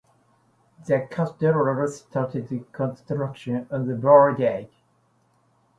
The Cathedral started construction on this very date.